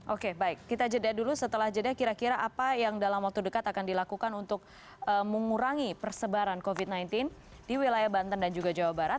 oke baik kita jeda dulu setelah jeda kira kira apa yang dalam waktu dekat akan dilakukan untuk mengurangi persebaran covid sembilan belas di wilayah banten dan juga jawa barat